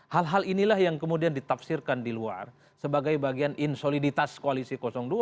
hal hal inilah yang kemudian ditafsirkan di luar sebagai bagian insoliditas koalisi dua